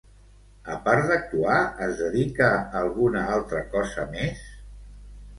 A part d'actuar es dedica a alguna altra cosa més?